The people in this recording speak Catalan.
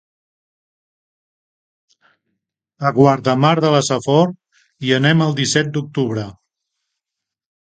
A Guardamar de la Safor hi anem el disset d'octubre.